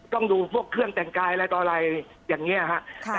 ต้องดูพวกเครื่องแต่งกายอะไรต่ออะไรอย่างนี้ครับ